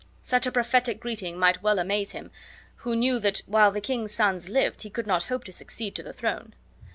Such a prophetic greeting might well amaze him, who knew that while the king's sons lived he could not hope to succeed to the throne.